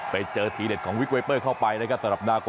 ไปเจอทีเด็ดของวิกไวเปอร์เข้าไปนะครับ